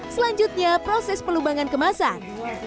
selanjutnya proses pelubangan kemasan